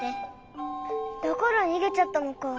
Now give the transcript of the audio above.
だからにげちゃったのか。